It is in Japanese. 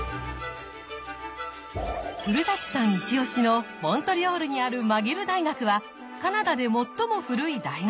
古さんイチオシのモントリオールにあるマギル大学はカナダで最も古い大学。